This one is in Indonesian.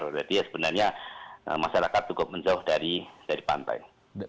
berarti ya sebenarnya masyarakat cukup menjauh dari pantai